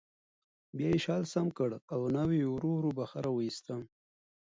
بیا یې شال سم کړ او ناوې یې ورو ورو بهر راوویسته